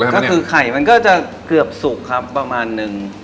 ก็คือไข่มันก็จะเกือบสุกครับประมาณนึง